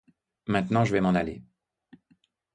Maintenant je vais m'en aller.